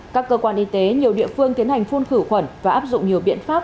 các cơ quan y tế nhiều địa phương tiến hành phun khử khuẩn và áp dụng nhiều biện pháp